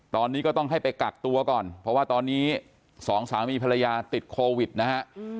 ตอนนี้ก็ต้องให้ไปกักตัวก่อนเพราะว่าตอนนี้สองสามีภรรยาติดโควิดนะฮะ